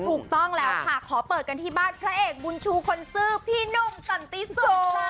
ถูกต้องแล้วค่ะขอเปิดกันที่บ้านพระเอกบุญชูคนซื่อพี่หนุ่มสันติสุ